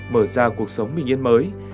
mở ra cuộc sống bình yên mới